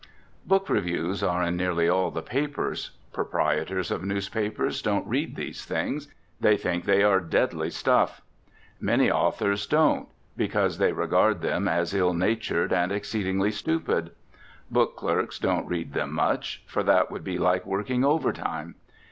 Book reviews are in nearly all the papers. Proprietors of newspapers don't read these things: they think they are deadly stuff. Many authors don't: because they regard them as ill natured and exceedingly stupid. Book clerks don't read them much: for that would be like working overtime.